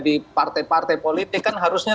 di partai partai politik kan harusnya